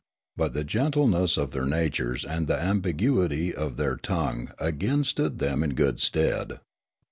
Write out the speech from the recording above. But the gentleness of their natures and the ambiguity of their tongue again stood them in good stead.